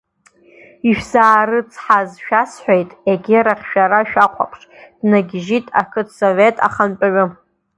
Ишәзаарыцҳаз шәасҳәеит, егьирахь шәара шәахәаԥш, днагьежьит ақыҭсовет ахантәаҩы.